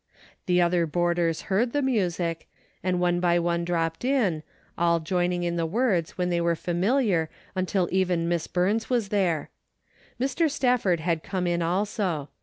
The other boarders heard the music, 280 A DAILY BATE.'^ and one by one dropped in, all joining in the words when they were familiar until even Miss Burns was there. Mr. Stafford had come in also.